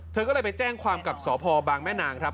เธอก็เลยไปแจ้งความกับสพบางแม่นางครับ